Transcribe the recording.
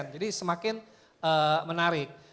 jadi semakin menarik